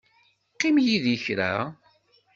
Qqim yid-i kra.